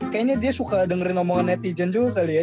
kayaknya dia suka dengerin omongan netizen juga kali ya